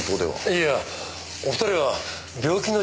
いやお二人は病気の受刑者です。